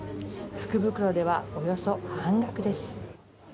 福袋ではおよそ半額です。